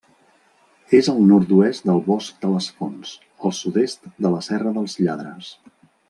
És al nord-oest del Bosc de les Fonts, al sud-est de la Serra dels Lladres.